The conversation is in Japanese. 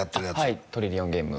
はい「トリリオンゲーム」